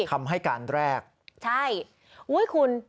คำให้การแรกใช่อุ้ยคุณ